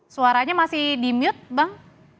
suaranya masih di mute bang